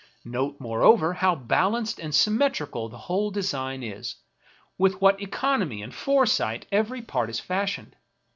Note, moreover, how balanced and symmetrical the whole design is, with what economy and foresight every part is fashioned.